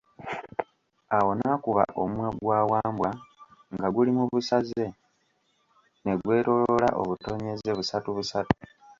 Awo n'akuba omumwa gwa Wambwa nga guli mu busaze n'agwetolooza obutonyezze, busatu busatu.